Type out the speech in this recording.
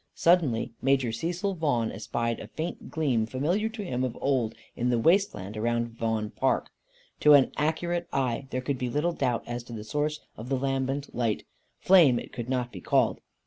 Suddenly Major Cecil Vaughan espied a faint gleam familiar to him of old in the waste land round Vaughan Park. To an accurate eye there could be little doubt as to the source of the lambent light flame it could not be called.